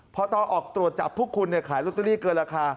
พอตอนออกตรวจจับพวกคุณขายลอตเตอรี่เกินราคา